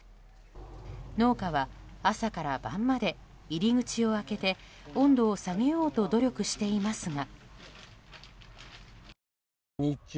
農家は朝から晩まで入り口を開けて温度を下げようと努力していますが。